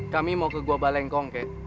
kami mau ke gua balengkong kakek